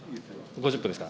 ５０分ですか。